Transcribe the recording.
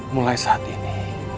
mulai saat ini